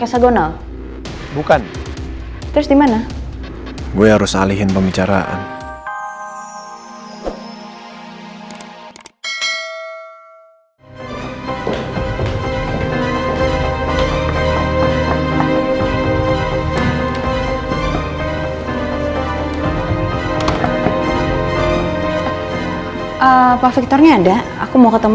personal bukan terus gimana gue harus alihin pembicaraan apa victor nya ada aku mau ketemu